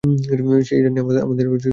সেই ডাইনি আমার ছেলেদের যেতে দেয়নি।